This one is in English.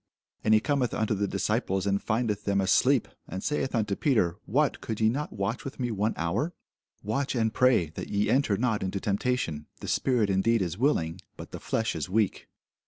And he cometh unto the disciples, and findeth them asleep, and saith unto Peter, What, could ye not watch with me one hour? Watch and pray, that ye enter not into temptation: the spirit indeed is willing, but the flesh is weak.